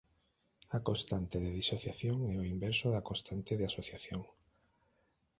A constante de disociación é o inverso da constante de asociación.